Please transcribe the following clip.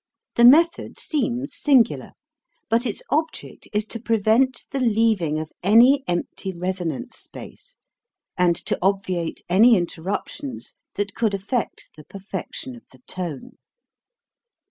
The method seems singular, but its object is to prevent the leaving of any empty resonance space, and to obviate any interrup tions that could affect the perfection of the tone.